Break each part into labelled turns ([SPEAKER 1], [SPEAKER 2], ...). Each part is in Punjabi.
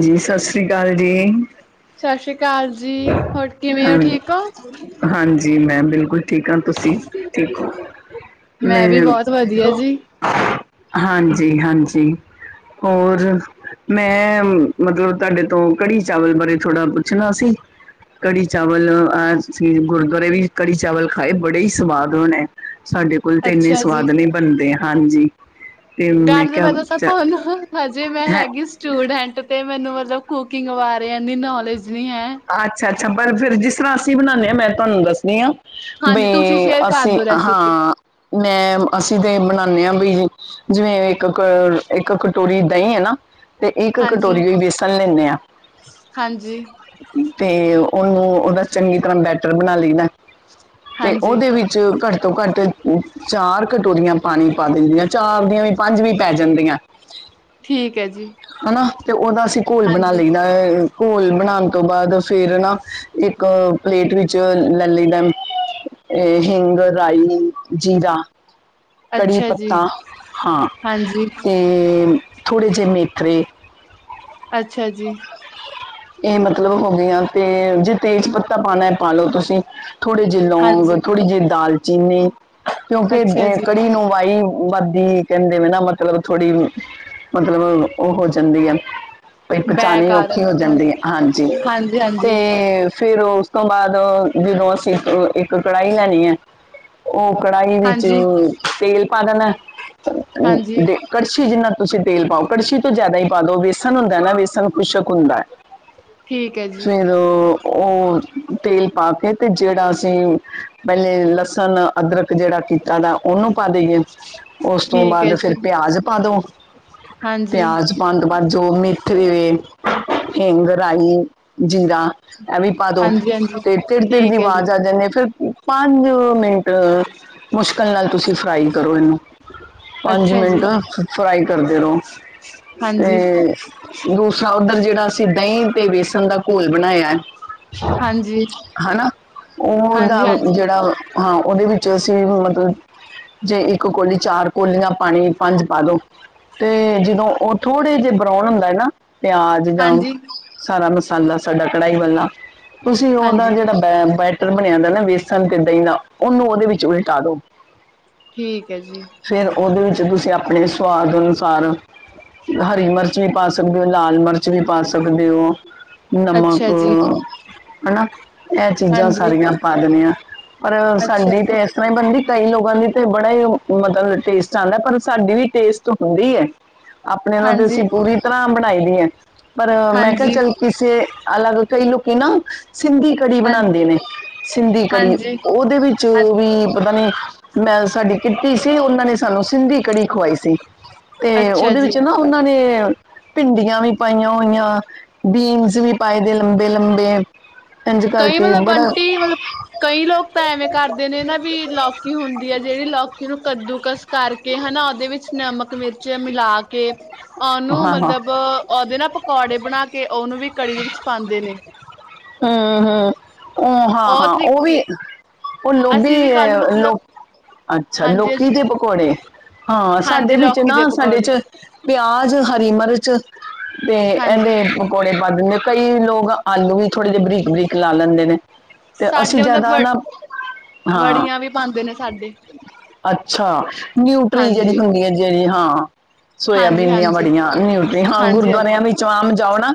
[SPEAKER 1] ਜੀ ਸਤਿ ਸ੍ਰੀ ਅਕਾਲ ਜੀ
[SPEAKER 2] ਸਤਿ ਸ੍ਰੀ ਅਕਾਲ ਜੀ ਹੋਰ ਕਿਵੇਂ ਹੋ ਠੀਕ ਹੋ
[SPEAKER 1] ਜੀ ਮੈ ਬਿਲਕੁਲ ਠੀਕ ਹਾਂ ਤੁਸੀਂ ਠੀਕ ਹੋ ਮੈ
[SPEAKER 2] ਮੈਂ ਵੀ ਬਹੁਤ ਵਧੀਆ ਜੀ।
[SPEAKER 1] ਹਾਂਜੀ ਹਾਂਜੀ ਔਰ ਮੈਂ ਮਤਲਬ ਤੂਆਡੇ ਤੋਂ ਕੜੀ ਚਾਵਲ ਬਾਰੇ ਥੋੜਾ ਪੁੱਛਨਾ ਸੀ। ਕੜੀ ਚਾਵਲ ਆਜ ਅਸੀ ਗੁਰਦੁਆਰੇ ਵੀ ਕੜੀ ਚਾਵਲ ਖਾਏ ਬੜੇ ਈ ਸਵਾਦ ਬਣੇ, ਸਾਡੇ ਕੋਲ ਤੇ ਇੰਨੇ
[SPEAKER 2] ਅੱਛਾ ਜੀ।
[SPEAKER 1] ਸਵਾਦ ਨੀ ਬਨਦੇ, ਹਾਂਜੀ। ਅਤੇ ਮੈਂ
[SPEAKER 2] ਗੱਲ
[SPEAKER 1] ਕਿਹਾ
[SPEAKER 2] ਮੈ ਦੱਸਾ
[SPEAKER 1] ਚ
[SPEAKER 2] ਤੁਹਾਨੂੰ ਹਜੇ ਮੈਂ
[SPEAKER 1] ਹੈ
[SPEAKER 2] ਹੈਗੀ ਸ ਸਟੂਡੈਂਟ ਤੇ ਮੈਨੂੰ ਮਤਲਬ ਕੁਕਿੰਗ ਬਾਰੇ ਏਨੀ ਨੌਲੇਜ ਨੀ ਹੈ।
[SPEAKER 1] ਆੱਛਾ, ਆੱਛਾ ਪਰ ਫਿਰ ਜਿਸ ਤਰਾਂ ਅਸੀ ਬਨਾਨੇ ਆਂ ਮੈ ਤੁਹਾਨੂੰ ਦੱਸਨੀ ਆਂ।
[SPEAKER 2] ਹਾਂਜੀ ਤੁਸੀਂ
[SPEAKER 1] ਬੇਂ
[SPEAKER 2] ਸ਼ੇਅਰ ਕਰ
[SPEAKER 1] ਅਸੀ
[SPEAKER 2] ਦਿਓ ਰੈਸਿਪੀ।
[SPEAKER 1] ਹਾਂ ਮੈਮ ਅਸੀ ਤੇ ਬਨਾਨੇ ਆਂ ਬਈ ਜਿਵੇਂ ਇਕ ਕ, ਇਕ ਕਟੋਰੀ ਦਹੀਂ ਏ ਨਾ ਤੇ ਇਕ
[SPEAKER 2] ਹਾਂਜੀ,
[SPEAKER 1] ਕਟੋਰੀ ਵੇਸਣ ਲੈਂਨੇ ਆਂ
[SPEAKER 2] ਹਾਂਜੀ।
[SPEAKER 1] ਤੇ ਓਨੂੰ ਓਦਾ ਚੰਗੀ ਤਰਾਂ ਬੈਟਰ ਬਨਾ ਲੀ ਨਾ, ਤੇ
[SPEAKER 2] ਹਾਂਜੀ
[SPEAKER 1] ਓਦੇ ਵਿੱਚ ਚ ਘਾੱਟ ਤੋ ਘਾੱਟ ਚਾਰ ਕਟੋਰੀਆਂ ਪਾਨੀ ਪਾ ਦੇਨੀਆਂ, ਚਾਰ ਦੀਆਂ ਵੀ ਪਾੰਜ ਵੀ ਪੈ ਜਾਂਦੀਐ।
[SPEAKER 2] ਠੀਕ ਹੈ ਜੀ।
[SPEAKER 1] ਹਨਾ, ਤੇ ਓਦਾ ਅਸੀ ਘੋਲ ਬਨਾ
[SPEAKER 2] ਹਾਂਜੀ,
[SPEAKER 1] ਲਈਦਾ ਅ, ਘੋਲ ਬਨਾਨ ਤੋ ਬਾਦ ਫੇਰ ਨਾ ਏਕ ਪਲੇਟ ਵਿੱਚ ਲੈ ਲਈਦੈ ਏ ਹਿੰਗ, ਰਾਈ, ਜੀਰਾ ਕੜੀ
[SPEAKER 2] ਅੱਛਾ ਜੀ,
[SPEAKER 1] ਪੱਤਾ, ਹਾਂ
[SPEAKER 2] ਹਾਂਜੀ,
[SPEAKER 1] ਤੇ, ਥੋੜੇ ਜੇ ਮੇਥਰੇ
[SPEAKER 2] ਅੱਛਾ ਜੀ।
[SPEAKER 1] ਏ ਮਤਲਬ ਹੋ ਗਏਆਂ ਤੇ ਜੇ ਤੇਜ ਪੱਤਾ ਪਾਣੈ, ਪਾ ਲੋ ਤੂਸੀ ਥੋੜੇ ਜੇ ਲੋਂਂਗ,
[SPEAKER 2] ਹਾਂਜੀ।
[SPEAKER 1] ਥੋੜੀ ਜੀ ਦਾਲਚੀਨੀ ਕਿਉਂਕਿ
[SPEAKER 2] ਅੱਛਾ ਜੀ,
[SPEAKER 1] ਕੜੀ ਨੂੰ ਵਾਈ ਬਾੱਦੀ ਕੇਂਦੇ ਵੀ ਨਾ ਮਤਲਬ ਥੋੜੀ, ਮਤਲਬ ਓ ਹੋ ਜਾਂਦੀ ਐ। ਬਈ
[SPEAKER 2] ਬੈ
[SPEAKER 1] ਪਚਾਨੀ
[SPEAKER 2] ਕਾਰਨ
[SPEAKER 1] ਔਖੀ ਹੋ ਜਾਂਦੀ ਏ, ਹਾਂਜੀ
[SPEAKER 2] ਹਾਂਜੀ, ਹਾਂਜੀ।
[SPEAKER 1] ਤੇ ਫੇਰ ਓਸ ਤੋਂ ਬਾਦ, ਜਦੋਂ ਅਸੀ ਇਕ, ਇਕ ਕੜਾਈ ਲੈਣੀ ਐ ਓ ਕੜਾਈ ਵਿੱਚ
[SPEAKER 2] ਹਾਂਜੀ,
[SPEAKER 1] ਤੇਲ ਪਾ ਲੈਣੈ
[SPEAKER 2] ਹਾਂਜੀ
[SPEAKER 1] ਅ ਕੜਛੀ ਜਿੰਨਾ ਤੂਸੀ ਤੇਲ ਪਾਓ, ਕੜਛੀ ਤੋਂ ਜਿਆਦਾ ਈ ਪਾ ਦੋ। ਵੇਸਨ ਹੁੰਦੈ ਨਾ, ਵੇਸਨ ਖੁਸ਼ਕ ਹੂਂਦੈ।
[SPEAKER 2] ਠੀਕ ਐ ਜੀ।
[SPEAKER 1] ਅ ਓ ਤੇਲ ਪਾ ਕੇ ਤੇ ਜੇੜਾ ਅਸੀ ਪੈਲੇ ਲਸਨ, ਅਦਰਕ ਜੇੜਾ ਕੀਤਾ ਦਾ ਓਨੂੰ ਪਾ ਦੇਈਏ ਓਸ ਤੋਂ
[SPEAKER 2] ਠੀਕ ਹੈ
[SPEAKER 1] ਬਾਦ
[SPEAKER 2] ਜੀ।
[SPEAKER 1] ਫੇਰ ਪੇਆਜ ਪਾ ਦੋ,
[SPEAKER 2] ਹਾਂਜੀ,
[SPEAKER 1] ਪੇਆਜ ਪਾਨ ਤੋਂ ਬਾਦ ਜੋ ਮਿ [unintelligible] ਹਿਂਗ, ਰਾਈ, ਜੀਰਾ ਐਂਵੀ ਪਾ ਦੋ
[SPEAKER 2] ਹਾਂਜੀ-ਹਾਂਜੀ
[SPEAKER 1] ਤੇ ਤੇੜ-ਤੇੜ ਦੀ
[SPEAKER 2] ਠੀਕ ਹੈ ਜੀ,
[SPEAKER 1] ਵਾਜ ਆ ਜਾਂਨੀ ਐ ਫੇਰ ਪਾੰਜ ਮਿੰਟ ਮੁਸ਼ਕਲ ਨਾਲ ਤੂਸੀ ਫ੍ਰਾਈ ਕਰੋ ਏਨੂੰ ਪਾੰਜ
[SPEAKER 2] ਅੱਛਾ ਜੀ,
[SPEAKER 1] ਮਿੰਟ ਫ੍ਰਾਈ ਕਰਦੇ ਰੋ
[SPEAKER 2] ਹਾਂਜੀ,
[SPEAKER 1] ਤੇ ਦੂਸ ਜਾ ਓਧਰ ਜੇੜਾ ਅਸੀ ਦਈਂ ਤੇ ਵੇਸਨ ਦਾ ਘੋਲ ਬਨਾਏਐ
[SPEAKER 2] ਹਾਂਜੀ,
[SPEAKER 1] ਹਨਾ, ਓ ਓਦਾ
[SPEAKER 2] ਹਾਂਜੀ-ਹਾਂਜੀ,
[SPEAKER 1] ਜੜਾ ਹਾਂ ਓਦੇ ਵਿੱਚ ਅਸੀ ਵੀ ਮਤਲ ਜੇ ਇੱਕ ਕੋਲੀ, ਚਾਰ ਕੋਲੀਆਂ ਪਾਣੀ, ਪਾੰਜ ਪਾ ਦੋ ਤੇ ਜਦੋਂ ਓ ਥੋੜੇ ਜੇ ਬਰੋਨ ਹੁੰਦੈ ਨਾ, ਪੇਆਜ ਦਾ
[SPEAKER 2] ਹਾਂਜੀ, ਹਾਂਜੀ
[SPEAKER 1] ਸਾਰਾ ਮਸਾਲਾ ਸਾਡਾ ਕੜਾਈ ਵਾਲਾ ਤੂਸੀ ਓਦਾ
[SPEAKER 2] ਹਾਂਜੀ
[SPEAKER 1] ਜੜਾ ਬੈ, ਬੈ ਟਰ ਬਨੇਆ ਦਾ ਨਾ ਵੇਸਨ ਤੇ ਦਈਂ ਦਾ, ਓਨੂੰ ਓਦੇ ਵਿਚ ਉਲਟਾ ਦੋ।
[SPEAKER 2] ਠੀਕ ਐ ਜੀ।
[SPEAKER 1] ਫੇਰ ਓਦੇ ਵੇੱਚ ਤੂਸੀ ਆਪਣੇ ਸਵਾਦ ਅਨੁਸਾਰ ਹਰੀ ਮਰਚ ਵੀ ਪਾ ਸਕ ਦੇ ਓ, ਲਾਲ ਮਰਚ ਵੀ ਪਾ ਸਕਦੇ ਓ, ਨਮਕ
[SPEAKER 2] ਅੱਛਾ ਜੀ,
[SPEAKER 1] ਹਨਾ ਐ ਚੀਜਾਂ
[SPEAKER 2] ਹਾਂਜੀ,
[SPEAKER 1] ਸਾਰੀਆਂ ਪਾ ਦੇਨਿਐ ਪਰ
[SPEAKER 2] ਅੱਛਾ
[SPEAKER 1] ਸਾਡੀ
[SPEAKER 2] ਜੀ,
[SPEAKER 1] ਤੇ ਕਈ ਬੰਦੀ ਕਈ ਲੋਗਾਂ ਦੀ ਤੇ ਬੜਾ ਈ ਮ ਮਤਲ ਟੇਸਟ ਆਂਦੈ ਪਰ ਸਾਡੀ ਵੀ ਟੇਸਟ ਹੁੰਦੀ ਐ ਆਪਣੇ ਅਲੋ ਤੇ
[SPEAKER 2] ਹਾਂਜੀ,
[SPEAKER 1] ਅਸੀ ਪੂਰੀ ਤਰਾਂ ਬਨਾਈ ਦੀ ਐ ਪਰ ਮੈਂ ਕੇਆ
[SPEAKER 2] ਹਾਂਜੀ,
[SPEAKER 1] ਚਲ ਕਿਸੇ ਅਲਗ, ਕਈ ਲੋਕੀ ਨਾ ਸਿੰਧੀ ਕੜੀ ਬਣਾਂਦੇ
[SPEAKER 2] ਹਾਂਜੀ,
[SPEAKER 1] ਨੇ, ਸਿੰਧੀ ਕੜੀ
[SPEAKER 2] ਹਾਂਜੀ,
[SPEAKER 1] ਓਦੇ ਵਿੱਚ
[SPEAKER 2] ਅ-
[SPEAKER 1] ਵੀ ਪਤਾ ਨੀ ਮੈਂ ਸਾਡੀ ਕਿੱਟੀ ਸੀ, ਉਹਨਾਂ ਨੇਂ ਸਾਨੂੰ ਸਿੰਧੀ ਕੜੀ ਖਵਾਈ ਸੀ। ਤੇ
[SPEAKER 2] ਅੱਛਾ
[SPEAKER 1] ਓਦੇ ਵਿੱਚ
[SPEAKER 2] ਜੀ।
[SPEAKER 1] ਨਾਂ ਓ ਨਾਂ ਨੇਂ ਭਿੰਡੀਆਂ ਵੀ ਪਾਈਆਂ ਹੋਈਆਂ, ਬੀਨਸ ਵੀ ਪਾਏ ਵੇ ਲੰਬੇ-ਲੰਬੇ ਐਂਜ
[SPEAKER 2] ਕਈ
[SPEAKER 1] ਕਰਕੇ
[SPEAKER 2] ਮਤਲਬ
[SPEAKER 1] ਬੜਾ
[SPEAKER 2] ਆਂਟੀ ਮਤਲਬ ਕਈ ਲੋਕ ਤਾਂ ਐਵੇਂ ਕਰਦੇ ਨੇਂ ਨਾਂ ਵੀ, ਲੌਕੀ ਹੁੰਦੀ ਐ ਜੜੀ, ਲੌਕੀ ਨੂੰ ਕੱਦੂ-ਕਸ ਕਰਕੇ ਹਨਾ ਓਦੇ ਵਿੱਚ ਨਮਕ, ਮਿਰਚ ਮਿਲਾ ਕੇ ਓਨੂੰ
[SPEAKER 1] ਹਾਂ ਹਾਂ
[SPEAKER 2] ਮਤਲਬ, ਓਦੇ ਨਾਂ ਪਕੌੜੇ ਬਣਾ ਕੇ ਓਨੂੰ ਵੀ ਕੜੀ ਦੇ ਵਿੱਚ ਪਾਂਦੇ ਨੇਂ।
[SPEAKER 1] ਹੂੰ-ਹੂੰ, ਓ
[SPEAKER 2] ਉਹ
[SPEAKER 1] ਹਾਂ-ਹਾਂ ਓ
[SPEAKER 2] ਤਰੀਕੇ
[SPEAKER 1] ਵੀ, ਓ ਲੋਭੀ
[SPEAKER 2] ਅਸੀਂ ਵੀ ਕੱਲ
[SPEAKER 1] ਅ ਲੋ
[SPEAKER 2] ਮਤਲਬ
[SPEAKER 1] ਅੱਛਾ
[SPEAKER 2] ਹਾਂਜੀ
[SPEAKER 1] ਲੋਕੀ ਦੇ ਪਕੌੜੇ। ਹਾਂ,
[SPEAKER 2] ਹਾਂਜੀ
[SPEAKER 1] ਸਾਡੇ ਵਿੱਚ
[SPEAKER 2] ਲੌਕੀ ਦੇ
[SPEAKER 1] ਨਾ ਸਾਡੇ
[SPEAKER 2] ਪਕੌੜੇ
[SPEAKER 1] 'ਚ ਪਿਆਜ਼, ਹਰੀ-ਮਿਰਚ ਤੇ
[SPEAKER 2] ਹਾਂਜੀ
[SPEAKER 1] ਐਵੇਂ ਪਕੌੜੇ ਪਾ ਦਿੰਦੇ ਆ। ਕਈ ਲੋਗ ਆਲੂ ਵੀ ਥੋੜੇ ਜੇ ਬਰੀਕ-ਬਰੀਕ ਲਾ ਲੈਂਦੇ ਨੇਂ। ਤੇ ਅਸੀ
[SPEAKER 2] ਸਾਡੇ ਮਤਲਬ
[SPEAKER 1] ਜਾਦਾ
[SPEAKER 2] ਵ
[SPEAKER 1] ਨਾਂ, ਹਾਂ।
[SPEAKER 2] ਵੜੀਆਂ ਵੀ ਪਾਉਂਦੇ ਨੇ ਸਾਡੇ
[SPEAKER 1] ਅੱਛਾ ਨਿਊਟਰੀ ਜੜੀ
[SPEAKER 2] ਹਾਂਜੀ
[SPEAKER 1] ਹੁੰਦੀ ਐ, ਜੜੀ ਹਾਂ,
[SPEAKER 2] ਹਾਂਜੀ
[SPEAKER 1] ਸੋਏਆਬੀਨ ਦੀਆਂ ਵ
[SPEAKER 2] ਹਾਂਜੀ
[SPEAKER 1] ੜੀਆਂ ਨਿਊਟਰੀ, ਹਾਂ
[SPEAKER 2] ਹਾਂਜੀ
[SPEAKER 1] ਗੁਰਦਵਾਰਿਆਂ
[SPEAKER 2] ਹਾਂਜੀ
[SPEAKER 1] ਵਿੱਚ ਆਮ ਜਾਓ ਨਾਂ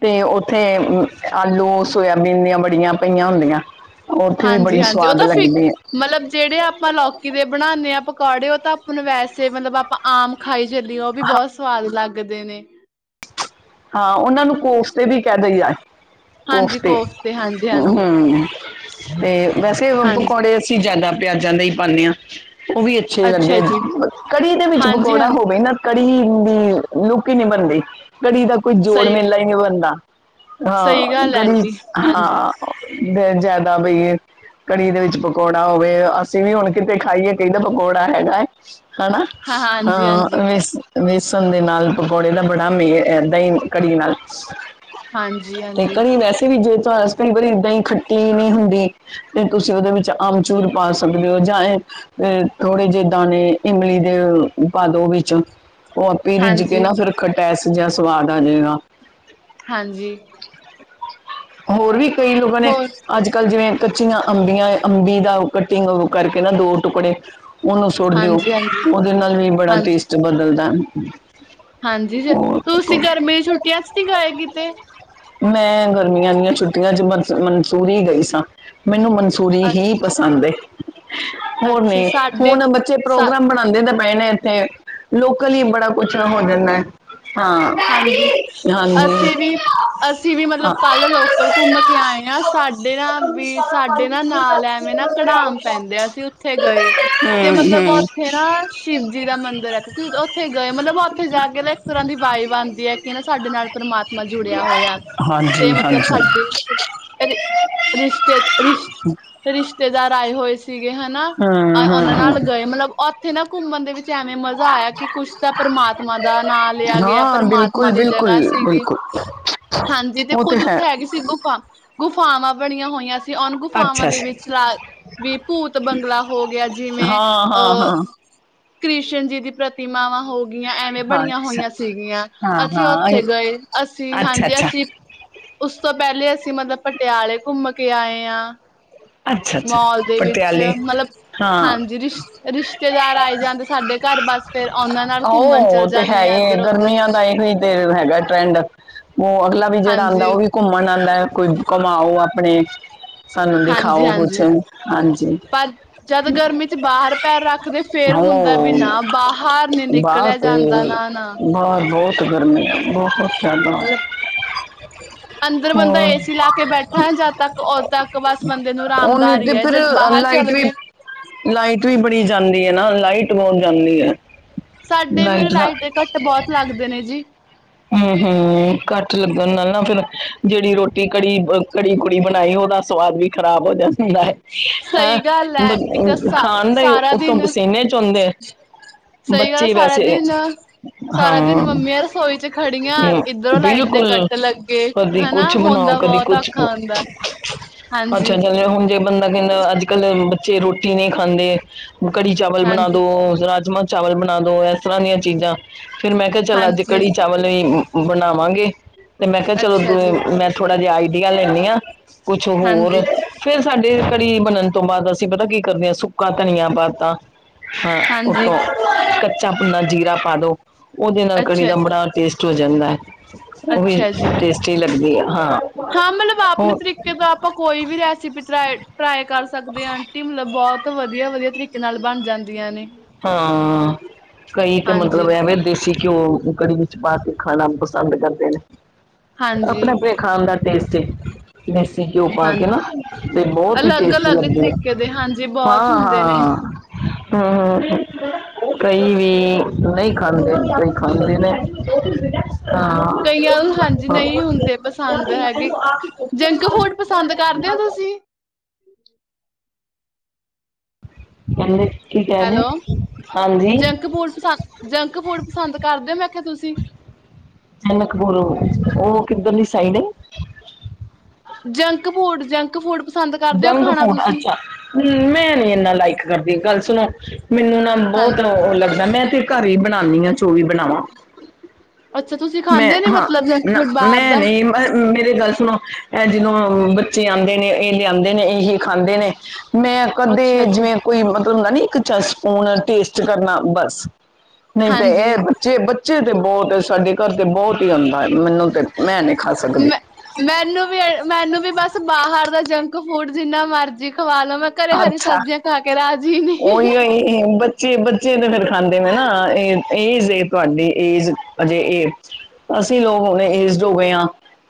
[SPEAKER 1] ਤੇ ਓਥੇ, ਮ ਆਲੂ, ਸੋਇਆਬੀਨ ਦੀਆਂ ਵੜੀਆਂ ਪਈਆਂ ਹੁੰਦੀਆਂ। ਓਥੇ ਵੀ ਬੜੀ
[SPEAKER 2] ਹਾਂਜੀ-ਹਾਂਜੀ ਉਹ
[SPEAKER 1] ਸਵਾਦ
[SPEAKER 2] ਤਾਂ ਫਿ
[SPEAKER 1] ਲੱਗਦੀ ਐ।
[SPEAKER 2] ਮਤਲਬ ਜੜੇ ਆਪਾਂ ਲੋਕੀ ਦੇ ਬਣਾਨੇ ਆਂ ਪਕੌੜੇ ਓ ਤਾਂ ਆਪਾਂ ਨੂੰ ਵੈਸੇ ਮਤਲਬ ਆਪਾਂ ਆਮ ਖਾਈ ਚਲੀਏ ਓ ਵੀ
[SPEAKER 1] ਹਾਂ
[SPEAKER 2] ਬੋਤ ਸਵਾਦ ਲੱਗਦੇ ਨੇਂ।
[SPEAKER 1] ਹਾਂ ਓਨਾਂ ਨੂੰ ਕੋਫਤੇ ਵੀ ਕੈ ਦਈ ਦੈ।
[SPEAKER 2] ਹਾਂਜੀ
[SPEAKER 1] ਕੋਫਤੇ,
[SPEAKER 2] ਹਾਂਜੀ-ਹਾਂਜੀ,
[SPEAKER 1] ਅ। ਤੇ ਵੈਸੇ ਓ
[SPEAKER 2] ਹਾਂਜੀ ਹਾਂਜੀ
[SPEAKER 1] ਪਕੌੜੇ ਅਸੀ ਜਿਆਦਾ ਪਿਆਜਾਂ ਦਾ ਈ ਪਾਨੇਂ ਆਂ, ਓ ਵੀ ਅੱਛੇ
[SPEAKER 2] ਅੱਛਾ
[SPEAKER 1] ਲੱਗਦੇ
[SPEAKER 2] ਜੀ
[SPEAKER 1] ਨ। ਕੜੀ ਦੇ ਵਿੱਚ ਪਕੌੜਾ
[SPEAKER 2] ਹਾਂਜੀ-ਹਾਂਜੀ
[SPEAKER 1] ਹੋਵੇ ਨਾ ਕੜੀ ਹੀ ਇੰਨੀ ਲੁੱਕ ਈ ਨੀਂ ਬਣਦੀ। ਕੜੀ ਦਾ ਕੋਈ
[SPEAKER 2] ਸਹੀ
[SPEAKER 1] ਜੋੜ-ਮੇਲਾ ਈ ਨੀਂ ਬਣਦਾ,
[SPEAKER 2] ਸਹੀ
[SPEAKER 1] ਹਾਂ
[SPEAKER 2] ਗੱਲ ਹੈ
[SPEAKER 1] ਕੜੀ
[SPEAKER 2] ਆਂਟੀ
[SPEAKER 1] 'ਚ
[SPEAKER 2] ਹਾਂਜੀ
[SPEAKER 1] ਹਾਂ। ਬ ਜ਼ਿਆਦਾ ਬਈ ਏ। ਕੜੀ ਦੇ ਵਿੱਚ ਪਕੌੜਾ ਹੋਵੇ, ਅਸੀਂ ਵੀ ਹੁਣ ਕਿਤੇ ਖਾਈਏ ਕਈ ਦੈ ਪਕੌੜਾ ਹੈਗਾ ਐ। ਹਨਾ,
[SPEAKER 2] ਹਾਂ ਹਾਂਜੀ-ਹਾਂਜੀ,
[SPEAKER 1] ਹਾਂ ਵੇਸ-ਵੇਸਣ ਦੇ ਨਾਲ ਪਕੌੜੇ ਦਾ ਬੜਾ ਮੇਲ ਅ ਦਈਂ ਕੜੀ ਨਾਲ ਤੇ
[SPEAKER 2] ਹਾਂਜੀ-ਹਾਂਜੀ, ਹਾਂਜੀ,
[SPEAKER 1] ਕੜੀ ਵੈਸੇ ਵੀ ਜੇ ਤੁਆ ਸ ਕਈ ਵਾਰੀ ਦਈਂ ਖੱਟੀ ਵੀ ਹੁੰਦੀ ਤੇ ਤੁਸੀ ਓਦੇ ਵਿੱਚ ਆਮਚੂਰ ਪਾ ਸਕਦੇ ਓ ਜਾਂ ਐਂ ਤੇ ਥੋੜੇ ਜੇ ਦਾਣੇ ਇਮਲੀ ਦੇ ਓ ਪਾ ਦੋ ਵਿੱਚ। ਓ ਆਪੇ ਈ ਰਿੱਝ ਕੇ
[SPEAKER 2] ਹਾਂਜੀ ਹਾਂਜੀ
[SPEAKER 1] ਨਾ ਫੇਰ ਖਟੈਸ ਜਾ ਸਵਾਦ ਆਜੇਗਾ।
[SPEAKER 2] ਹਾਂਜੀ।
[SPEAKER 1] ਹੋਰ ਵੀ ਕਈ ਲੋਗਾਂ ਨੇਂ,
[SPEAKER 2] ਹੋਰ
[SPEAKER 1] ਅੱਜ ਕੱਲ੍ਹ ਜਿਵੇਂ ਕੱਚੀਆਂ ਅੰਬੀਆਂ ਏ ਅੰਬੀ ਦਾ ਓ ਕੱਟਿੰਗ ਵ ਕਰਕੇ ਨਾਂ ਦੋ ਟੁਕੜੇ ਓਨੂੰ ਸੋਟ ਦਿਓ,
[SPEAKER 2] ਹਾਂਜੀ-ਹਾਂਜੀ,
[SPEAKER 1] ਓਦੇ ਨਾਲ ਵੀ ਬੜਾ
[SPEAKER 2] ਹਾਂਜੀ, ਹਾਂਜੀ
[SPEAKER 1] ਟੇਸਟ ਬਦਲਦੈ।
[SPEAKER 2] ਹਾਂਜੀ ਜ, ਤੁਸੀ ਗਰਮੀ ਦੀ ਛੁੱਟੀਆਂ 'ਚ ਨੀਂ ਗਏ ਕਿਤੇ?
[SPEAKER 1] ਮੈਂ ਗਰਮੀਆਂ ਦੀਆਂ ਛੁੱਟੀਆਂ 'ਚ ਮਨ, ਮਨਸੂਰੀ ਗਈ ਸਾਂ। ਮੈਨੂੰ ਮਨਸੂ ਰੀ ਹੀ
[SPEAKER 2] ਅੱਛ
[SPEAKER 1] ਪਸੰਦ ਏ। ਹੋਰ
[SPEAKER 2] ਅੱਛਾ
[SPEAKER 1] ਮੈਂ,
[SPEAKER 2] ਸਾਡੇ
[SPEAKER 1] ਹੁਣ ਬੱਚੇ
[SPEAKER 2] ਸਾ
[SPEAKER 1] ਪ੍ਰੋਗਰਾਮ ਬ ਨਾਂਦੇ ਤਾਂ ਪਏ ਨੇਂ ਇੱਥੇ, ਲੋਕਲ ਈ ਬੜਾ ਕੁਛ ਹੋ ਜਾਂਦਾ ਐ। ਹਾਂ, ਹਾਂਜੀ।
[SPEAKER 2] ਅਸੀਂ ਵੀ ਅਸੀਂ ਵੀ ਮਤਲਬ
[SPEAKER 1] ਹਮ
[SPEAKER 2] ਕੱਲ੍ਹ ਲੋਕਲ ਘੁੰਮ ਕੇ ਆਏ ਆਂ ਸਾਡੇ ਨਾਂ ਵੀ, ਸਾਡੇ ਨਾਂ ਨਾਲ ਐ ਜਿਵੇਂ ਨਾਂ ਘੜਾਮ ਪੈਂਦੇ ਆਂ, ਅਸੀਂ ਓਥੇ ਗਏ, ਤੇ ਮਤਲਬ ਓਥੇ ਨਾਲ ਸ਼ਿਵ ਜੀ ਦਾ ਮੰਦਰ ਐ ਤੇ ਤੁਹੀ ਓਥੇ ਗਏ ਮਤਲਬ ਨਾ ਓਥੇ ਜਾ ਕੇ ਏੱਕ ਤਰ੍ਹਾਂ ਦੀ ਬਾਈਵ ਬਾਣਦੀ ਐ ਕਿ ਨਾਂ ਸਾਡੇ ਨਾਲ ਪਰਮਾਤਮਾ ਜੁੜੇਆ ਹੋਏਆ ਤੇ
[SPEAKER 1] ਹਾਂਜੀ ਹਾਂਜੀ ਹਮ
[SPEAKER 2] ਮਤਲਬ ਸਾਡੇ ਰਿ, ਰਿਸ਼ਤੇ, ਰਿਸ਼, ਰਿਸ਼ਤੇਦਾਰ ਆਏ ਹੋਏ ਸੀਗੇ ਹਨਾ, ਅ
[SPEAKER 1] ਹਮ
[SPEAKER 2] ਓਨਾਂ
[SPEAKER 1] ਹਮ
[SPEAKER 2] ਨਾਲ ਗਏ ਮਤਲਬ ਓਥੇ ਨਾਂ ਘੁੰਮਣ ਦੇ ਵਿੱਚ ਐਵੇਂ ਮਜ਼ਾ ਆਇਆ ਕਿ ਕੁੱਛ ਤਾਂ ਪਰਮਾਤਮਾ ਦਾ ਨਾਂ ਲਿਆ ਗਿਆ।
[SPEAKER 1] ਹਾਂ
[SPEAKER 2] ਪਰਮਾਤਮਾ
[SPEAKER 1] ਬਿਲਕੁਲ
[SPEAKER 2] ਦੀ
[SPEAKER 1] ਬਿਲਕੁਲ
[SPEAKER 2] ਜਗ੍ਹਾ ਸੀਗੀ।
[SPEAKER 1] ਬਿਲਕੁਲ
[SPEAKER 2] ਹਾਂਜੀ ਤੇ
[SPEAKER 1] ਉਹ
[SPEAKER 2] ਕੁੱਝ
[SPEAKER 1] ਹੈ
[SPEAKER 2] ਉੱਥੇ ਹੈਗੀ ਸੀ ਗੁਫ਼ਾ। ਗੁਫਾਵਾਂ ਬਣੀਆਂ ਹੋਈਆਂ ਸੀ ਉਨ ਗੁਫਾਵਾਂ
[SPEAKER 1] ਅੱਛਾ
[SPEAKER 2] ਦੇ
[SPEAKER 1] ਅੱਛਾ
[SPEAKER 2] ਵਿੱਚਕਾਰ ਵੀ ਭੂਤ ਬੰਗਲਾ ਹੋ ਗਿਆ ਜਿਵੇਂ,
[SPEAKER 1] ਹਾਂ ਹਾਂ
[SPEAKER 2] ਅ
[SPEAKER 1] ਹਾਂ
[SPEAKER 2] ਕ੍ਰਿਸ਼ਨ ਜੀ ਦੀ ਪ੍ਰਤਿਮਾਵਾਂ ਹੋ ਗੀਆਂ ਐਵੇਂ
[SPEAKER 1] ਹਾਂ
[SPEAKER 2] ਬਣੀਆਂ
[SPEAKER 1] ਅੱਛਾ
[SPEAKER 2] ਹੋਈਆਂ ਸੀਗੀਆਂ।
[SPEAKER 1] ਹਾਂ
[SPEAKER 2] ਅਸੀ
[SPEAKER 1] ਹਾਂ
[SPEAKER 2] ਓਥੇ ਗਏ। ਅਸੀ
[SPEAKER 1] ਅੱਛਾ
[SPEAKER 2] ਹਾਂਜੀ
[SPEAKER 1] ਅੱਛਾ
[SPEAKER 2] ਅਸੀ ਉਸ ਤੋਂ ਪੈਲੇ ਅਸੀ ਮਤਲਬ ਪਟਿਆਲੇ ਘੁੰਮ ਕੇ ਆਏ ਆਂ।
[SPEAKER 1] ਅੱਛਾ ਅੱਛਾ
[SPEAKER 2] ਮੋਲ ਦੇ ਵਿੱਚ
[SPEAKER 1] ਪਟਿਆਲੇ
[SPEAKER 2] ਮਤਲਬ
[SPEAKER 1] ਹਾਂ
[SPEAKER 2] ਹਾਂਜੀ, ਰਿਸ਼ ਰਿਸ਼ਤੇਦਾਰ ਆਏ ਜਾਣ ਤੇ ਸਾਡੇ ਘਰ ਬਸ ਫੇਰ ਔਨਾਂ ਨਾਲ
[SPEAKER 1] ਆਹੋ
[SPEAKER 2] ਘੁੰਮਣ ਚੱਲ
[SPEAKER 1] ਉਹ ਤੇ
[SPEAKER 2] ਜਾਂਦੇ ਆ
[SPEAKER 1] ਹੈਗੇ
[SPEAKER 2] ਇੱਧਰ ਉਧਰ
[SPEAKER 1] ਗਰਮੀਆਂ ਦਾ ਏਹੋ ਈ ਤੇ ਹੈਗਾ ਏ ਟਰੈਂਡ। ਓ ਅਗਲਾ ਵੀ ਜੜਾ ਆਂਦਾ
[SPEAKER 2] ਹਾਂਜੀ
[SPEAKER 1] ਓ ਵੀ ਘੁੰਮਣ ਆਂਦਾ ਐ, ਕੋਈ ਘੁਮਾਓ ਆਪਣੇ ਸਾਨੂੰ
[SPEAKER 2] ਹਾਂਜੀ
[SPEAKER 1] ਦਿਖਾਓ ਕੁਛ,
[SPEAKER 2] ਹਾਂਜੀ
[SPEAKER 1] ਹਾਂਜੀ।
[SPEAKER 2] ਪਰ ਜਦ ਗਰਮੀ ਚ ਬਾਹਰ ਪੈਰ ਰੱਖਦੇ ਫੇਰ
[SPEAKER 1] ਹਾਯ
[SPEAKER 2] ਹੁੰਦਾ ਵੀ
[SPEAKER 1] ਆਏ ਔ।
[SPEAKER 2] ਨਾ ਬਾਹਰ ਨੀ
[SPEAKER 1] ਬਾਰ
[SPEAKER 2] ਨਿਕਲਿਆ ਜਾਂਦਾ
[SPEAKER 1] ਘੁੰਮੋਗੇ।
[SPEAKER 2] ਨਾ ਨਾ
[SPEAKER 1] ਬਾਹਰ ਬੋਤ ਗਰਮੀ ਵੋ ਸੱਭ ਛੱਡ ਦਵਾਂ।
[SPEAKER 2] ਮਤਲਬ
[SPEAKER 1] [unintelligible]
[SPEAKER 2] ਅੰਦਰ ਬੰਦਾ ਏ ਸੀ ਲਾ ਕੇ ਬੈਠਾ ਏ ਜਦ ਤੱਕ ਉਦ ਤੱਕ ਬਸ ਬੰਦੇ ਨੂੰ
[SPEAKER 1] ਓ ਨੀ
[SPEAKER 2] ਆਰਾਮਦਾਰ
[SPEAKER 1] ਤੇ
[SPEAKER 2] ਹੀ ਹੈ
[SPEAKER 1] ਫਿਰ
[SPEAKER 2] ਜਦ ਬਾਹਰ
[SPEAKER 1] ਲਾਈਟ
[SPEAKER 2] ਚੱਲ
[SPEAKER 1] ਵੀ
[SPEAKER 2] ਗਏ
[SPEAKER 1] ਲਾਈਟ ਵੀ ਬੜੀ ਜਾਂਦੀ ਏ ਨਾ, ਲਾਈਟ ਬੋਤ ਜਾਂਦੀ ਐ।
[SPEAKER 2] ਸਾਡੇ ਵੀ ਓ ਲਾਈਟ ਦੇ ਕੱਟ ਬੋਤ ਲੱਗਦੇ ਨੇ ਜੀ।
[SPEAKER 1] ਹੂੰ-ਹੂੰ ਕੱਟ ਲੱਗਣ ਨਾਲ ਨਾ ਫੇਰ ਜਿਹੜੀ ਰੋਟੀ ਕੜੀ, ਕੜੀ-ਕੁੜੀ ਬਣਾਈ ਓਦਾ ਸਵਾਦ ਵੀ ਖਰਾਬ ਹੋ ਜਾਂਦੀ ਲਾਈਟ ਹੈਂ
[SPEAKER 2] ਸਹੀ ਗੱਲ ਹੈ ਇੱਕ
[SPEAKER 1] ਬ
[SPEAKER 2] ਸਾ
[SPEAKER 1] ਖਾਣ ਦਾ ਈ
[SPEAKER 2] ਸਾਰਾ
[SPEAKER 1] ਉੱਤੋਂ
[SPEAKER 2] ਦਿਨ
[SPEAKER 1] ਪਸੀਨੇ ਚੋਂਦੇ
[SPEAKER 2] ਸਹੀ ਗੱਲ
[SPEAKER 1] ਬੱਚੇ
[SPEAKER 2] ਸਾਰਾ
[SPEAKER 1] ਵੈਸੇ,
[SPEAKER 2] ਦਿਨ
[SPEAKER 1] ਹਾਂ।
[SPEAKER 2] ਸਾਰਾ ਦਿਨ ਮੰਮੀਆਂ ਰਸੋਈ 'ਚ ਖੜੀ ਆਂ
[SPEAKER 1] ਹੂੰ,
[SPEAKER 2] ਇੱਧਰੋਂ ਲਾਈਟ ਦੇ
[SPEAKER 1] ਬਿਲਕੁਲ
[SPEAKER 2] ਕੱਟ ਲੱਗੇ
[SPEAKER 1] ਕਦੀ
[SPEAKER 2] ਹੈਨਾ।
[SPEAKER 1] ਕੁਛ ਬਣਾਓ
[SPEAKER 2] ਹੁੰਦਾ
[SPEAKER 1] ਕਦੀ
[SPEAKER 2] ਬੋਤ ਆ
[SPEAKER 1] ਕੁਛ
[SPEAKER 2] ਖਾਣ ਦਾ।
[SPEAKER 1] ਅੱਛਾ, ਚਲੇ ਹੁਣ ਜੇ ਬੰਦਾ ਕੇਂਦਾ ਅੱਜ-ਕਾੱਲ ਬੱਚੇ ਰੋਟੀ ਨਈ ਖਾਂਦੇ ਕੜੀ-ਚਾਵਲ ਬਣਾ ਦੋ,
[SPEAKER 2] ਹਾਂਜੀ
[SPEAKER 1] ਰਾਜਮਾਂ ਚਾਵਲ ਬਣਾ ਦੋ। ਐਸ ਤਰ੍ਹਾਂ ਦੀਆਂ ਚੀਜ਼ਾਂ ਫੇਰ ਮੈਂ ਕਿਆ ਚੱਲ ਅੱਜ
[SPEAKER 2] ਹਾਂਜੀ
[SPEAKER 1] ਕੜੀ ਚਾਵਲ ਨਈ ਬਣਾਵਾਂਗੇ ਤੇ ਮੈਂ ਕਿਆ ਚਲੋ
[SPEAKER 2] ਅੱਛਾ
[SPEAKER 1] ਦੂ
[SPEAKER 2] ਜੀ
[SPEAKER 1] ਮੈਂ ਥੋੜਾ ਜੇਆ ਆਈਡੀਆ ਲੇਂਨੀ ਆਂ ਕੁਛ ਹੋਰ
[SPEAKER 2] ਹਾਂਜੀ
[SPEAKER 1] ਫੇਰ ਸਾਡੇ ਕੜੀ ਬਣਨ ਤੋਂ ਬਾਦ ਅਸੀ ਪਤੈ ਕੀ ਕਰਨੇ ਆਂ ਸੁੱਕਾ ਧਨੀਆ ਪਾ ਤਾ ਹਾਂ,
[SPEAKER 2] ਹਾਂਜੀ
[SPEAKER 1] ਉੱਤੋਂ ਕੱਚਾ ਭੁੰਨਾ ਜੀਰਾ ਪਾ ਦੋ ਓਦੇ ਨਾਲ ਕੜੀ
[SPEAKER 2] ਅੱਛਾ
[SPEAKER 1] ਦਾ
[SPEAKER 2] ਜੀ
[SPEAKER 1] ਬੜਾ ਟੇਸਟ ਹੋ ਜਾਂਦੈ। ਓ ਵੀ
[SPEAKER 2] ਅੱਛਾ ਜੀ
[SPEAKER 1] ਟੇਸਟੀ ਲੱਗਦੀ ਐ, ਹਾਂ।
[SPEAKER 2] ਹਾਂ ਮਤਲਬ ਆਪਣੇ
[SPEAKER 1] ਹੋਰ
[SPEAKER 2] ਤਰੀਕੇ ਦਾ ਆਪਾਂ ਕੋਈ ਵੀ ਰੈਸਪੀ ਟ੍ਰਾਏ, ਟ੍ਰਾਏ ਕਰ ਸਕਦੇ ਆਂ ਆਂਟੀ ਮਤਲਬ ਬੋ ਤ ਵਧੀਆ-ਵਧੀਆ ਤਰੀਕੇ ਨਾਲ ਬਣ ਜਾਂਦੀਆਂ ਨੇ।
[SPEAKER 1] ਹਾਂ, ਕਈ ਤੇ
[SPEAKER 2] ਹਾਂਜੀ
[SPEAKER 1] ਮਤਲਬ ਐਂਵੇ ਦੇਸੀ ਘਿਓ ਤੇ ਕੜੀ ਵਿੱਚ ਪਾ ਕੇ ਖਾਣਾ ਪਸੰਦ ਕਰਦੇ ਨੇ।
[SPEAKER 2] ਹਾਂਜੀ
[SPEAKER 1] ਆਪਣੇ-ਆਪਣੇ ਖਾਣ ਦਾ ਟੇਸਟ ਏ। ਦੇਸੀ ਘਿਓ ਪਾ
[SPEAKER 2] ਹਾਂ
[SPEAKER 1] ਕੇ ਨਾ ਤੇ ਬੋਹੋਤ ਹੀ
[SPEAKER 2] ਅਲੱਗ
[SPEAKER 1] ਟੇਸਟੀ
[SPEAKER 2] ਅਲੱਗ
[SPEAKER 1] ਲੱਗਦੇ ਨੇ।
[SPEAKER 2] ਤਰੀਕੇ ਦੇ ਹਾਂਜੀ ਬਹੁਤ ਹੁੰਦੇ ਨੇ
[SPEAKER 1] ਹਾਂ-ਹਾਂ। ਹਾਂ। ਕਈ ਵੀ ਨਈ ਖਾਂਦੇ, ਕਈ ਖਾਂਦੇ ਨੇ। ਹਾਂ
[SPEAKER 2] ਕਈਆਂ ਨੂੰ ਹਾਂਜੀ ਨਈ ਹੁੰਦੇ ਪ ਸੰਦ ਹੈਗੇ। ਜੈਂਜ ਤੂੰ ਹੂਨ ਪਸੰਦ ਕਰਦੇ ਓ ਤੁਸੀ।
[SPEAKER 1] ਕਹਿੰਦੇ ਕੀ ਕਹਿ ਰਹੇ
[SPEAKER 2] ਹੈਲੋ,
[SPEAKER 1] ਹਾਂਜੀ
[SPEAKER 2] ਜੰਕ ਪੂਡ ਪੱਸ, ਜੰਕ ਫੂਡ ਪਸੰਦ ਕਰਦੇ ਓ ਮੈਂ ਕਿਆ ਤੁਸੀ?
[SPEAKER 1] ਜਨਕ ਪੁਰ ਓ ਕਿੱਧਰ ਦੀ ਸਾਈਡ ਏ।
[SPEAKER 2] ਜੰਕ ਪੂਡ, ਜੰਕ ਫੂਡ ਪਸੰਦ ਕਰਦੇ ਹੋ
[SPEAKER 1] ਡੰਗ
[SPEAKER 2] ਖਾਣਾ
[SPEAKER 1] ਫੂਡ,
[SPEAKER 2] ਤੁਸੀਂ
[SPEAKER 1] ਅੱਛਾ। ਹੂਨ ਮੈਂ ਨੀ ਏਨਾ ਲਾਈਕ ਕਰਦੀ ਗੱਲ ਸੁਣੋ, ਮੈਨੂੰ ਨਾ ਬੋਤ
[SPEAKER 2] ਹਾਂਜੀ
[SPEAKER 1] ਰੋ ਓ ਲੱਗਦੈ। ਮੈਂ ਤੇ ਘਰ ਈ ਬਨਾਨੀ ਆਂ ਜੋ ਵੀ ਬਨਾਵਾਂ।
[SPEAKER 2] ਅੱਛਾ ਤੁਸੀਂ
[SPEAKER 1] ਮੈਂ
[SPEAKER 2] ਖਾਂਦੇ ਨੀ
[SPEAKER 1] ਹਾਂ,
[SPEAKER 2] ਮਤਲਬ ਜੰਕ
[SPEAKER 1] ਨਾ
[SPEAKER 2] ਫੂਡ ਬਾਹਰ
[SPEAKER 1] ਮੈਂ
[SPEAKER 2] ਦਾ
[SPEAKER 1] ਨਈ ਹੂ ਐ ਮੇਰੇ ਗੱਲ ਸੁਣੋ, ਐ ਜਦੋਂ ਬੱਚੇ ਆਂਦੇ ਨੇ, ਏ ਲਿਆਂਂਦੇ ਨੇ, ਏ ਹੀ ਖਾਂਦੇ ਨੇ ਮੈਂ ਕਦੀ
[SPEAKER 2] ਅੱਛਾ ਜੀ
[SPEAKER 1] ਜਿਵੇਂ ਕੋਈ ਮਤਲਬ ਹੁੰਦਾ ਨੀ ਇੱਕ ਚ ਸਪੂਨ ਟੇਸਟ ਕਰਨਾ ਬਸ। ਨਹੀਂ ਤੇ
[SPEAKER 2] ਹਾਂਜੀ
[SPEAKER 1] ਐ ਬੱਚੇ, ਬੱਚੇ ਤੇ ਬੋਤ ਸਾਡੇ ਘਰ ਤੇ ਬੋਤ ਈ ਆਂਦਾ ਐ। ਮੇਨੂੰ ਤੇ ਮੈਂ ਨੀ ਖਾ ਸਕਦੀ।
[SPEAKER 2] ਮੈਂ ਮੈਨੂੰ ਵੀ ਐ, ਮੈਨੂੰ ਵੀ ਬਸ ਬਾਹਰ ਦਾ ਜੰਕ ਫੂਡ ਜਿੰਨਾ ਮਰਜੀ ਖਵਾ ਲਵੋ ਘਰੇ ਹਰੀ
[SPEAKER 1] ਅੱਛਾ
[SPEAKER 2] ਸਬਜ਼ੀਆਂ ਖਾ ਕੇ ਰਾਜੀ ਨੀ।
[SPEAKER 1] ਇਹ ਬੱਚੇ, ਬੱਚੇ ਤੇ ਫੇਰ ਖਾਂਦੇ ਨੇ ਨਾ ਏ ਏਜ਼ ਏ ਤੁਆਡੀ, ਏਜ਼ ਅਜੇ ਏ। ਅਸੀ ਲੋਗ ਹੁਣੇ ਏਜ਼ਡ ਹੋ ਗੇ ਆਂ।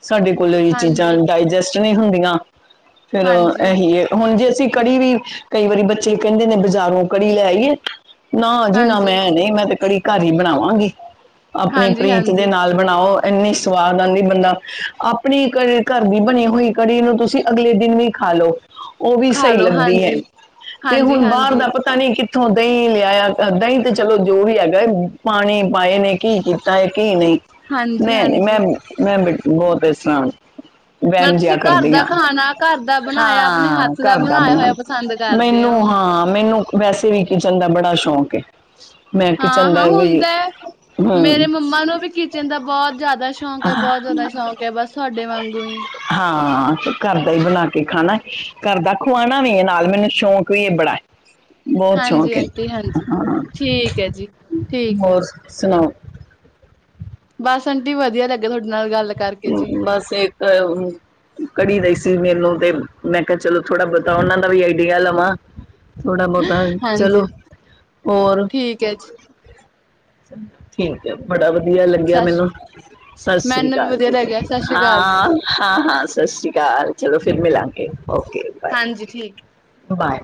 [SPEAKER 1] ਸਾਡੇ ਕੋਲ ਐਈ ਚੀਜ਼ਾਂ
[SPEAKER 2] ਹਾਂਜੀ
[SPEAKER 1] ਡਾਇਜੈਸਟ ਨਈ ਹੁੰਦੀਆਂ ਫੇਰ
[SPEAKER 2] ਹਾਂਜੀ
[SPEAKER 1] ਐਹੀ ਏ ਹੁਣ ਜੇ ਅਸੀ ਕੜੀ ਵੀ, ਕਈ ਵਾਰੀ ਬੱਚੇ ਕੈਂਦੇ ਨੇ ਬਜ਼ਾਰੋਂ ਕੜੀ ਲੈਈਏ ਨਾ ਜੀ ਨਾ
[SPEAKER 2] ਹਾਂਜੀ
[SPEAKER 1] ਮੈਂ ਨੀ, ਮੈਂ ਤੇ ਕੜੀ ਘਾਰ ਈ ਬਣਾਵਾਂਗੀ ਆਪਣੀ
[SPEAKER 2] ਹਾਂਜੀ
[SPEAKER 1] ਪ੍ਰੀਤ ਦੇ
[SPEAKER 2] ਹਾਂਜੀ
[SPEAKER 1] ਨਾਲ। ਬਣਾਓ ਇੰਨੀ ਸਵਾਦ ਆਂਦੀ ਬੰਦਾ ਆਪਣੀ ਕੜੀ ਘਰ ਦੀ ਬਣੀ ਹੋਈ ਕੜੀ ਨੂੰ ਤੁਸੀ ਅਗਲੇ ਦਿਨ ਵੀ ਖਾ ਲੋ। ਓ ਵੀ
[SPEAKER 2] ਖਾ
[SPEAKER 1] ਸਈ
[SPEAKER 2] ਲੋ
[SPEAKER 1] ਲੱਗਦੀ ਏ
[SPEAKER 2] ਹਾਂਜੀ।
[SPEAKER 1] ਤੇ ਹੁਣ ਬਾਰ
[SPEAKER 2] ਹਾਂਜੀ-ਹਾਂਜੀ,
[SPEAKER 1] ਦਾ ਪਤਾ ਨੀ ਕਿੱਥੋਂ ਦਹੀਂ ਲਿਆਇਆ, ਦਹੀਂ ਤੇ ਚਲੋ ਜੋ ਵੀ ਹੈਗਾ, ਪਾਣੀ ਪਾਏ ਨੇ ਕੀ ਕੀਤਾ ਕਿ ਨਹੀਂ, ਮੈਂ ਨਹੀਂ, ਮੈਂ
[SPEAKER 2] ਹਾਂਜੀ-ਹਾਂਜੀ।
[SPEAKER 1] ਨਹੀਂ, ਮੈਂ-ਮੈਂ ਬਹੁਤ ਇਸ ਤਰ੍ਹਾਂ ਵਹਿਮ
[SPEAKER 2] ਮਤਲਬ
[SPEAKER 1] ਜਿਹਾ
[SPEAKER 2] ਤੁਸੀਂ ਘਰ
[SPEAKER 1] ਕਰਦੀ
[SPEAKER 2] ਦਾ
[SPEAKER 1] ਆ।
[SPEAKER 2] ਖਾਣਾ ਘਰ ਦਾ ਬਣਾਇਆ ਆਪਣੇ
[SPEAKER 1] ਹਾਂ
[SPEAKER 2] ਹੱਥ ਦਾ
[SPEAKER 1] ਕਰਦੀ
[SPEAKER 2] ਬਣਾਇਆ
[SPEAKER 1] ਆ।
[SPEAKER 2] ਹੋਇਆ ਪਸੰਦ ਕਰਦੇ
[SPEAKER 1] ਮੈਨੂੰ
[SPEAKER 2] ਹੋ।
[SPEAKER 1] ਹਾਂ, ਮੈਨੂੰ ਵੈਸੇ ਵੀ ਕਿਚਨ ਦਾ ਬੜਾ ਸ਼ੌਕ ਏ।
[SPEAKER 2] ਹਾਂ-ਹਾਂ ਹੁੰਦਾਂ।
[SPEAKER 1] ਹਮ,
[SPEAKER 2] ਮੇਰੇ ਮੰਮਾ ਨੂੰ ਵੀ ਕਿਚਨ ਦਾ ਬਹੁਤ ਜ਼ਿਆਦਾ ਸ਼ੌਕ ਐ, ਬਹੁਤ ਜ਼ਿਆਦਾ ਸ਼ੌਕ ਐ, ਬਸ ਤੁਹਾਡੇ ਵਾਂਗੂ ਈ।
[SPEAKER 1] ਹਾਂ, ਘਰ ਦਾ ਈ ਬਣਾ ਕੇ ਖਾਣਾ ਘਰ ਦਾ ਖਵਾਂਣਾ ਵੀ ਏ ਨਾਲ, ਮੈਨੂੰ ਸ਼ੌਕ ਵੀ ਇਹ ਬੜਾ। ਬਹੁਤ
[SPEAKER 2] ਹਾਂਜੀ
[SPEAKER 1] ਸ਼ੌਕ ਏ,
[SPEAKER 2] ਆਂਟੀ ਹਾਂਜੀ
[SPEAKER 1] ਹਾਂ
[SPEAKER 2] ਠੀਕ ਹੈ ਜੀ ਠੀਕ ਹੈ।
[SPEAKER 1] ਹੋਰ ਸੁਣਾਓ?
[SPEAKER 2] ਬਸ ਆਂਟੀ ਵਧੀਆ ਲੱਗਾ ਤੁਹਾਡੇ ਨਾਲ ਗੱਲ ਕਰਕੇ ਜੀ
[SPEAKER 1] ਬੱਸ ਇਕ ਕੜੀ ਦਈ ਸੀ ਮੇਨੂੰ ਤੇ ਮੈਂ ਕਿਹਾ ਚਲੋ, ਥੋੜ੍ਹਾ ਬੋਤਾ ਉਹਨਾਂ ਦਾ ਵੀ ਆਈਡੀਆ ਲਵਾਂ। ਥੋੜਾ ਬਹੁਤਾ
[SPEAKER 2] ਹਾਂਜੀ
[SPEAKER 1] ਚਲੋ, ਹੋਰ।
[SPEAKER 2] ਠੀਕ ਹੈ ਜੀ।
[SPEAKER 1] ਠੀਕ ਐ, ਬੜਾ ਵਧੀਆ ਲੱਗਿਆ
[SPEAKER 2] ਸਸ
[SPEAKER 1] ਮਿਨੂੰ, ਸਾਸਰੀ
[SPEAKER 2] ਮੈਨੂੰ ਵੀ
[SPEAKER 1] ਕਾਲ
[SPEAKER 2] ਵਧੀਆ
[SPEAKER 1] ਜੀ।
[SPEAKER 2] ਲੱਗਿਆ ਸਤਿ ਸ੍ਰੀ ਅਕਾਲ ਜੀ
[SPEAKER 1] ਹਾਂ-ਹਾਂ ਹਾਂ-ਹਾਂ ਸਾਸਰੀ ਕਾਲ, ਚਲੋ ਫਿਰ ਮਿਲਾਂਗੇ, ਓਕੇ।
[SPEAKER 2] ਹਾਂਜੀ, ਠੀਕ।
[SPEAKER 1] ਬ-ਬਾਏ।